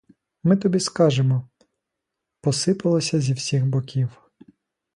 Ми тобі скажемо, — посипалося зі всіх боків.